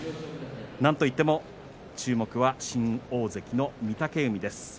なんといっても注目は新大関の御嶽海です。